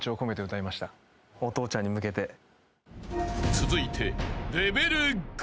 ［続いて］